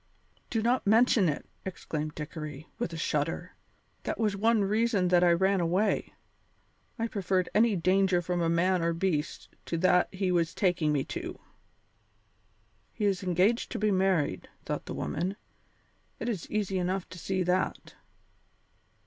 "Do not mention it," exclaimed Dickory, with a shudder; "that was one reason that I ran away; I preferred any danger from man or beast to that he was taking me to." "He is engaged to be married," thought the woman; "it is easy enough to see that."